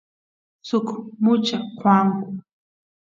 suk mucha qoanku